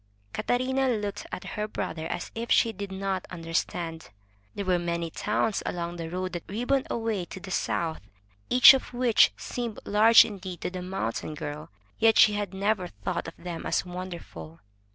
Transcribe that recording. Catarina looked at her brother as if she did not understand. There were many towns along the road that ribboned away to the south, each of which seemed large indeed to the mountain girl, yet she had never thought of them as wonderful.